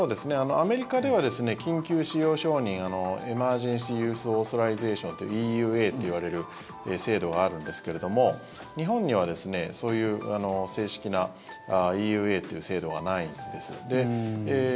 アメリカでは緊急使用承認エマージェンシー・ユース・オーソライゼーションっていうＥＵＡっていわれる制度があるんですけれども日本にはそういう正式なＥＵＡという制度がないんです。